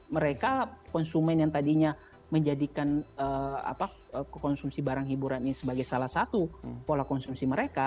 mereka konsumen yang tadinya menjadikan konsumsi barang hiburan ini sebagai salah satu pola konsumsi mereka